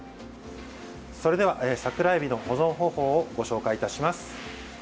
それでは、桜えびの保存方法をご紹介いたします。